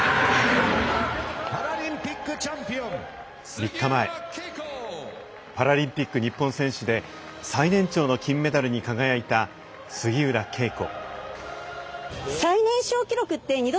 ３日前パラリンピック日本選手で最年長の金メダルに輝いた杉浦佳子。